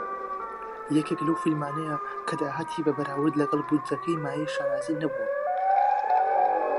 یەکێک لەو فیلمانەیە کە داهاتی بە بەراورد لەگەڵ بودجەکەی مایەی شانازی نەبووە.